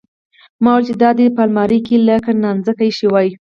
ما ويل چې دا دې په المارۍ کښې لکه نانځکه ايښې واى.